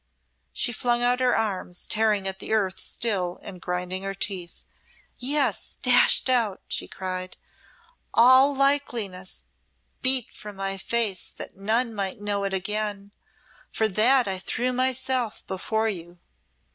She flung out her arms, tearing at the earth still and grinding her teeth. "Yes dashed out!" she cried; "all likeness beaten from my face that none might know it again. For that I threw myself before you."